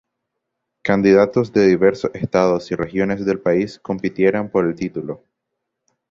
Candidatos de diversos estados y regiones del país compitieran por el título.